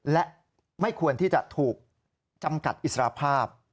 และไม่ควรที่จะถูกจำกัดอิสรภาพ